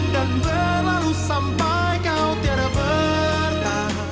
dan berlalu sampai kau tiada perdahan